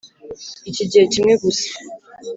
iki gihe kimwe gusa.